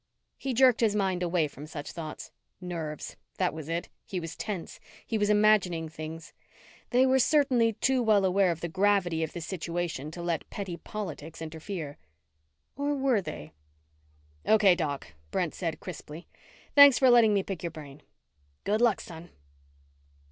He jerked his mind away from such thoughts. Nerves. That was it. He was tense. He was imagining things. They were certainly too well aware of the gravity of this situation to let petty politics interfere. Or were they? "Okay, Doc," Brent said crisply. "Thanks for letting me pick your brain." "Good luck, son."